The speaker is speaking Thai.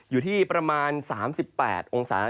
อยู่ที่ประมาณ๓๘องศา